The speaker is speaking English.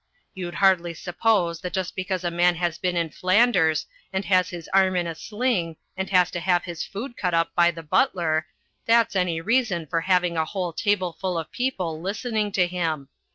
You'd hardly suppose that just because a man has been in Flanders and has his arm in a sling and has to have his food cut up by the butler, that's any reason for having a whole table full of people listening to him.